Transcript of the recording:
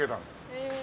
へえ。